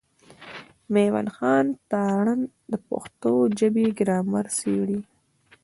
مېوند خان تارڼ د پښتو ژبي ګرامر څېړي.